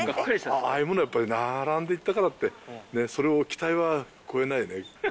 ああいうものは並んでいったからって、それを期待は超えないよね